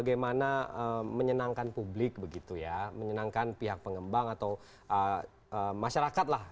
karena menyenangkan publik begitu ya menyenangkan pihak pengembang atau masyarakat lah